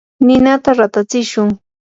ninata ratatsishun.